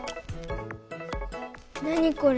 何これ？